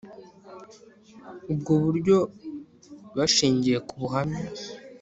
ubwo buryo bashingiye ku buhamya